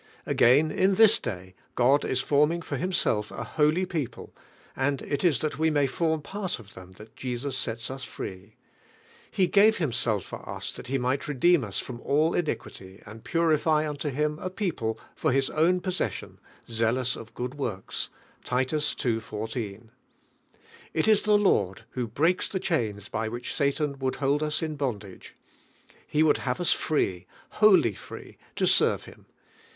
Again in this day, God is forming for Himself a holy people, and it is that we may form pant of lliem that Jesus sets ns free. He "gave Himself for us that He might redeem us from all iniquity, and purify unto Him a people for His own possession, zealous of good works'' iTit ns ii. 1<(). It is the Lord who breaks the chains by which Satan would hold ns in bondage. He wonld have us free, wholly free to serve Him.